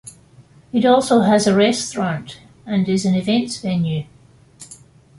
It also has a restaurant and is an events venue.